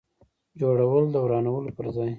جوړول د ورانولو پر ځای.